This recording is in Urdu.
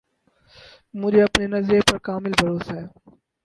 مجھے اپنے نظریہ پر کامل بھروسہ ہے